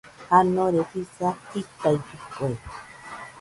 Janore jisa jitaidɨkue.